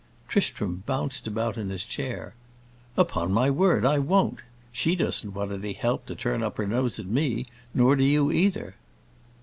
Tristram bounced about in his chair. "Upon my word, I won't. She doesn't want any help to turn up her nose at me, nor do you, either!"